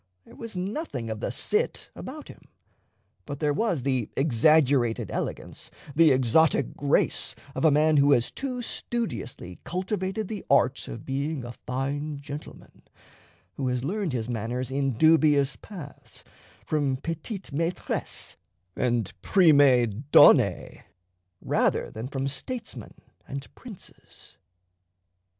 There was nothing of the Cit about him; but there was the exaggerated elegance, the exotic grace, of a man who has too studiously cultivated the art of being a fine gentleman; who has learned his manners in dubious paths, from petites maîtresses and prime donne, rather than from statesmen and princes.